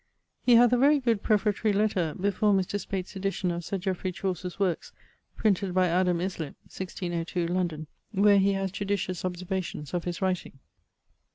He hath a very good prefatory letter before Mr. Speght's edition of Sir Geofrey Chaucer's Workes printed by Adam Islip, 1602, London, where he haz judicious observations of his writing.